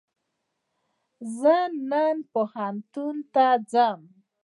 زه نن پوهنتون ته ځم